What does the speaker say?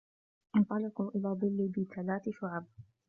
انطَلِقوا إِلى ظِلٍّ ذي ثَلاثِ شُعَبٍ